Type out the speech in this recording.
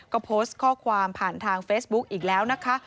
ก็โพสต์ข้อความผ่านทางเฟซบุ๊กอีกแล้วนะคะ